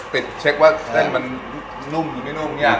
เช็คว่าเส้นมันนุ่มหรือไม่นุ่มเนี่ย